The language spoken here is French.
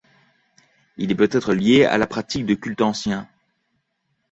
Il est peut-être lié à la pratique de culte ancien.